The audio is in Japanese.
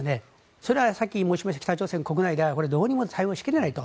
それはさっき申しましたように北朝鮮国内ではどうにも対応しきれないと。